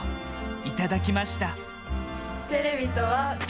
いただきました。